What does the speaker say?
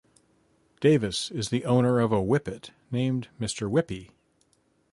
Davis is the owner of a whippet named Mr. Whippy.